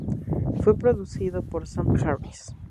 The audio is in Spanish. Fue producido por Sam Harris.